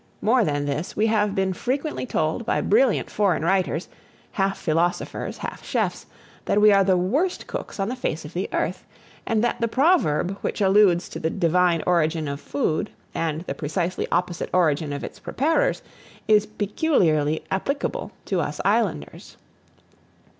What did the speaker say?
More than this, we have been frequently told by brilliant foreign writers, half philosophers, half chefs, that we are the worst cooks on the face of the earth, and that the proverb which alludes to the divine origin of food, and the precisely opposite origin of its preparers, is peculiarly applicable to us islanders.